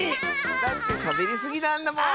だってしゃべりすぎなんだもん！